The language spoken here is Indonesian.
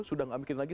sudah gak mikir lagi